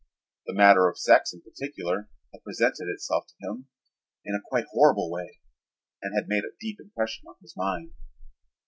The matter of sex in particular had presented itself to him in a quite horrible way and had made a deep impression on his mind.